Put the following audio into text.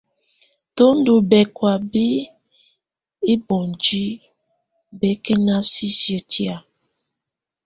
Tù ndù bɛkɔ̀á bi iboŋdiǝ́ bɛkɛna sisiǝ́ tɛ̀á.